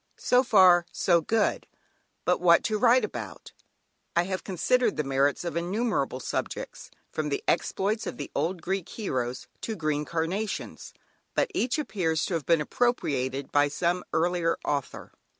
So far so good, but what to write about? I have considered the merits of innumerable subjects, from the exploits of the old Greek heroes to green Carnations, but each appears to have been appropriated by some earlier author.